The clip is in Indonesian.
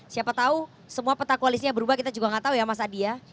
siapa tahu semua peta koalisnya berubah kita juga nggak tahu ya mas adi ya